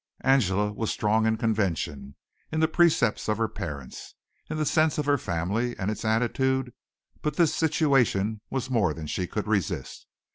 Angela was strong in convention, in the precepts of her parents, in the sense of her family and its attitude, but this situation was more than she could resist.